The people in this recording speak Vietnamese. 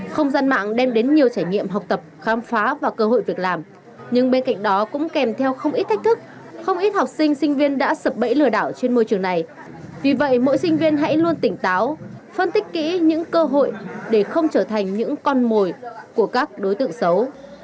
không gian mạng đem đến nhiều trải nghiệm học tập khám phá và cơ hội việc làm nhưng bên cạnh đó cũng kèm theo không ít thách thức không ít học sinh sinh viên đã sập bẫy lừa đảo trên môi trường này vì vậy mỗi sinh viên hãy luôn tỉnh táo phân tích kỹ những cơ hội để không trở thành những con mồi của các đối tượng xấu